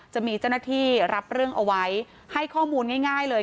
จะมีเจ้าหน้าที่รับเรื่องเอาไว้ให้ข้อมูลง่ายเลย